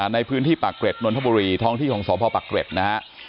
ในพื้นที่ปากเกร็ดนนทบุรีท้องที่ของสพปักเกร็ดนะฮะ